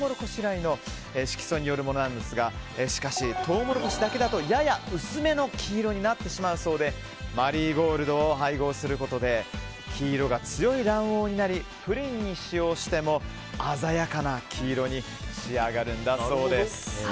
由来の色素によるものなんですがしかし、トウモロコシだけだとやや薄めの黄色になってしまうそうでマリーゴールドを配合することで黄色が強い卵黄になりプリンに使用しても鮮やかな黄色に仕上がるんだそうです。